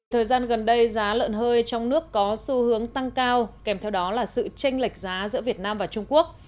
thời gian gần đây giá lợn hơi trong nước có xu hướng tăng cao kèm theo đó là sự tranh lệch giá giữa việt nam và trung quốc